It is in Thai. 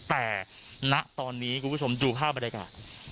แต่ณตอนนี้คุณผู้ชมดูภาพบรรยากาศ